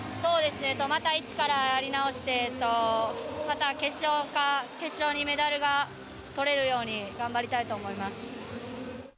また一からやり直してまた決勝にメダルがとれるように頑張りたいと思います。